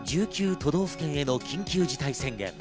都道府県への緊急事態宣言。